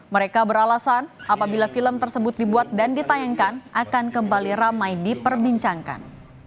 mereka beralasan apabila film tersebut dibuat dan ditayangkan akan kembali ramai diperbincangkan